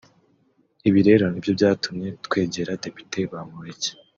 Ibi rero nibyo byatumye twegera Depite Bamporiki